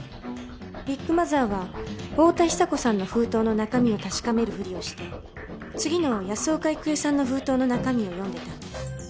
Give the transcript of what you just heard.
ビッグマザーは太田久子さんの封筒の中身を確かめるふりをして次の安岡郁恵さんの封筒の中身を読んでいたんです。